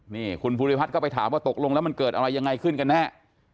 นี่คุณภูริพัฒน์ก็ไปถามว่าตกลงแล้วมันเกิดอะไรยังไงขึ้นกันแน่